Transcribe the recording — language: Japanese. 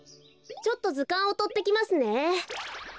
ちょっとずかんをとってきますね。